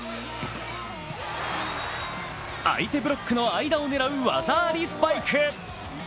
相手ブロックの間を狙う技ありスパイク。